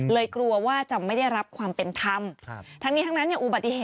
เลยกลัวว่าจะไม่ได้รับความเป็นธรรมทั้งนี้ทั้งการเนี้ย